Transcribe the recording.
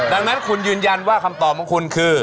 ดังนั้นคุณยืนยันว่าคำตอบของคุณคือ